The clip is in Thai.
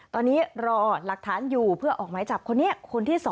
ตอนนี้รอหลักฐานอยู่เพื่อออกหมายจับคนนี้คนที่๒